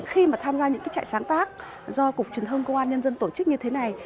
khi mà tham gia những cái trại sáng tác do cục truyền thông công an nhân dân tổ chức như thế này